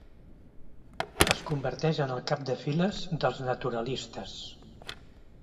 Es converteix en el cap de files dels naturalistes.